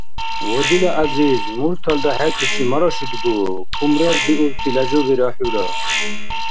Ва дила гӀязиз, мурталра хӀеркӀличи марашудгу, кумрардиубти ляжубира хӀура.